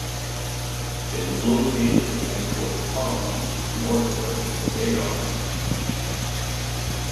It is located in Angkor Thom, northwest of the Bayon.